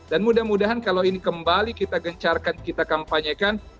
dan mudah mudahan kalau ini kembali kita gencarkan kita kampanyekan